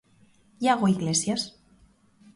Iago Iglesias.